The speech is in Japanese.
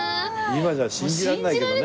今じゃ信じられないけどね。